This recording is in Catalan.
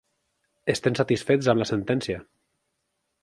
Estem satisfets amb la sentència.